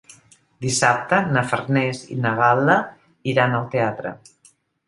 Dissabte na Farners i na Gal·la iran al teatre.